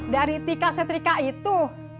dari tika setrika itu